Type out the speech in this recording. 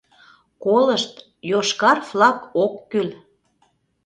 Колышт: йошкар флаг ок кӱл...